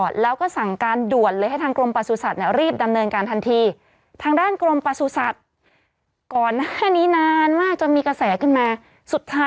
เจอโรคนี้จริงในสุกร